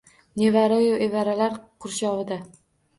Nevara-yu evaralar qurshovida